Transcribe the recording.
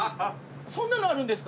そんなのあるんですか？